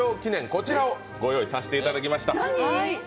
こちらをご用意させていただきました。